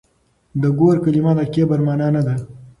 د ګور کلمه د کبر مانا نه ده.